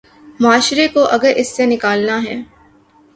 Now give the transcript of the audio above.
معاشرے کو اگر اس سے نکالنا ہے۔